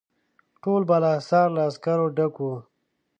ټول بالاحصار له عسکرو ډک وو.